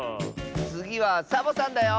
つぎはサボさんだよ。